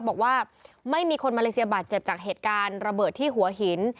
บอกว่าไม่มีคนมาเลเซียบาดเจ็บจากเหตุการณ์ระเบิดที่หัวหิน